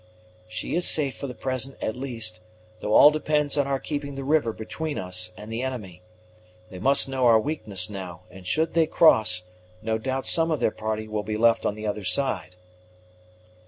"She is safe for the present at least; though all depends on our keeping the river between us and the enemy. They must know our weakness now; and, should they cross, no doubt some of their party will be left on the other side."